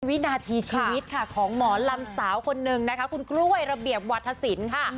วินาทีชีวิตค่ะของหมอลำสาวคนนึงนะคะคุณกล้วยระเบียบวัฒนศิลป์ค่ะ